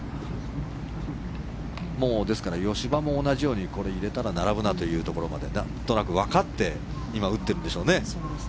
ですから、葭葉も同じようにこれ入れたら並ぶなというところになんとなくわかって今、打ってるんでしょうね。